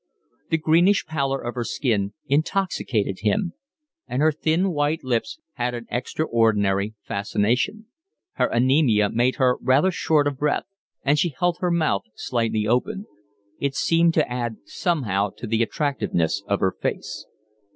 The greenish pallor of her skin intoxicated him, and her thin white lips had an extraordinary fascination. Her anaemia made her rather short of breath, and she held her mouth slightly open. It seemed to add somehow to the attractiveness of her face.